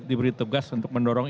diberi tugas untuk mendorong